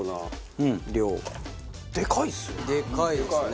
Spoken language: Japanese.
でかいですよね。